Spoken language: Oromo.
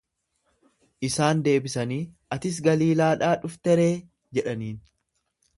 Isaan deebisanii, Atis Galiilaadhaa dhufteree? jedhaniin.